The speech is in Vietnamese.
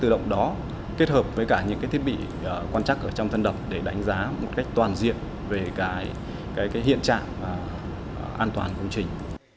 được lắp đặt bên trong thân đập để đánh giá một cách toàn diện về hiện trạng an toàn công trình